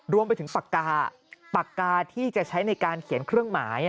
รวมไปถึงปากกาปากกาที่จะใช้ในการเขียนเครื่องหมาย